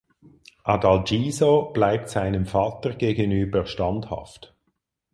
Adalgiso bleibt seinem Vater gegenüber standhaft.